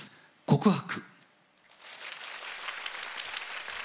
「告白」。